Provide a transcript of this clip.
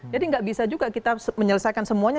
jadi nggak bisa juga kita menyelesaikan semuanya